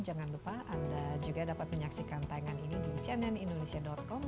jangan lupa anda juga dapat menyaksikan tayangan ini di cnnindonesia com